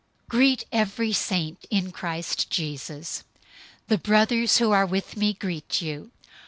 004:021 Greet every saint in Christ Jesus. The brothers who are with me greet you.